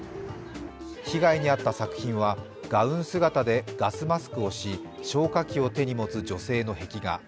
被害に遭った作品はガウン姿でガスマスクをし消火器を手に持つ女性の壁画。